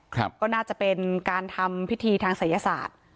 ก็น่าจะเป็นการทำพิธีทางศัยศาสตร์